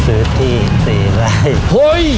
ซื้อที่สี่แบบ